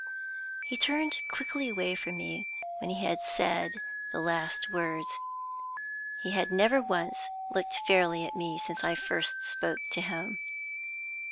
He turned quickly away from me when he had said the last words. He had never once looked fairly at me since I first spoke to him.